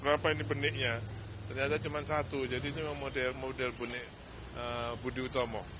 apa ini beniknya ternyata cuma satu jadi ini model model budi utomo